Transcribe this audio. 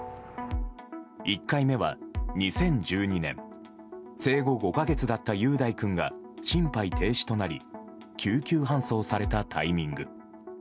１回目は２０１２年生後５か月だった雄大君が心肺停止となり救急搬送されたタイミング。